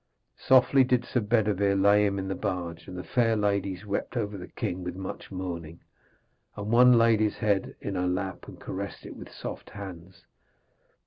Softly did Sir Bedevere lay him in the barge, and the fair ladies wept over the king with much mourning, and one laid his head in her lap and caressed it with soft hands.